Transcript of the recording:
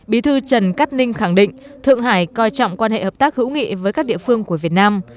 bí thư trần cát ninh khẳng định thượng hải coi trọng quan hệ hợp tác hữu nghị với các địa phương của việt nam